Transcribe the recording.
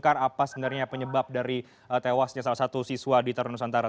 jika ini dapat terbongkar apa sebenarnya penyebab dari tewasnya salah satu siswa di tarnanusantara